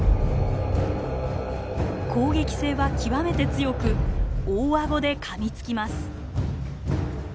攻撃性は極めて強く大顎でかみつきます。